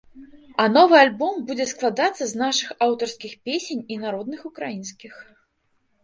А новы альбом будзе складацца з нашых аўтарскіх песень і народных украінскіх.